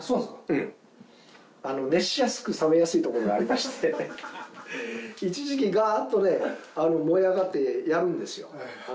うん熱しやすく冷めやすいところがありまして一時期ガッとね燃え上がってやるんですよ